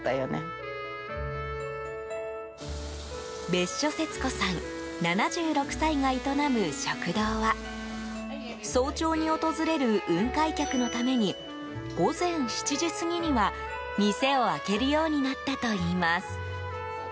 別所節子さん、７６歳が営む食堂は早朝に訪れる雲海客のために午前７時過ぎには店を開けるようになったといいます。